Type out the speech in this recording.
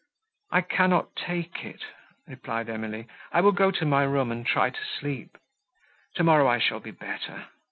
"I cannot take it," replied Emily, "I will go to my room, and try to sleep. Tomorrow I shall be better."